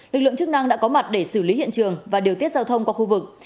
lực lượng chức năng đã có mặt để xử lý hiện trường và điều tiết giao thông qua khu vực